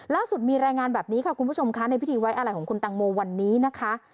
ล่าสุดมีรายงานแบบนี้ค่ะคุณผู้ชมค่ะในพิธีไว้อะไรของคุณตังโมวันนี้นะคะ